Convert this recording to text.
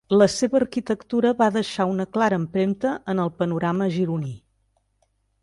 La seva arquitectura va deixar una clara empremta en el panorama gironí.